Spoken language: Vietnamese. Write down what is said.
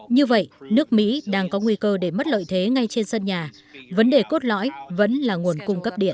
như vậy nước mỹ đang có nguy cơ để mất lợi thế ngay trên sân nhà vấn đề cốt lõi vẫn là nguồn cung cấp điện